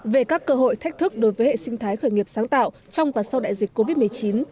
về các cơ hội thách thức đối với hệ sinh thái khởi nghiệp sáng tạo trong và sau đại dịch covid một mươi chín